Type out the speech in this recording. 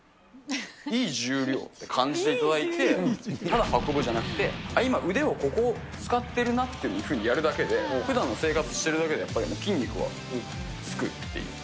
いい重量って感じていただいて、ただ運ぶじゃなくて、今、腕を、ここを使ってるなっていうふうにやるだけで、ふだんの生活しているだけで、やっぱり筋肉はつくっていう。